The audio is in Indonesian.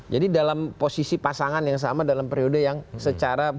jadi dalam posisi pasangan yang sama dalam periode yang secara berbeda